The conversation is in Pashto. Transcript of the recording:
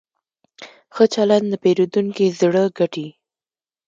ښه چلند د پیرودونکي زړه ګټي.